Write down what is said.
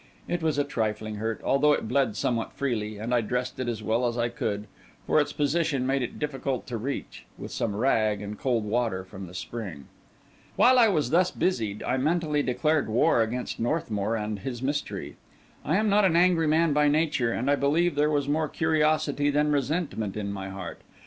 It was a trifling hurt, although it bled somewhat freely, and I dressed it as well as I could (for its position made it difficult to reach) with some rag and cold water from the spring. While I was thus busied, I mentally declared war against Northmour and his mystery. I am not an angry man by nature, and I believe there was more curiosity than resentment in my heart.